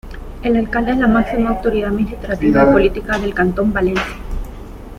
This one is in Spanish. El Alcalde es la máxima autoridad administrativa y política del cantón Valencia.